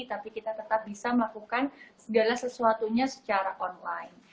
tapi kita tetap bisa melakukan segala sesuatunya secara online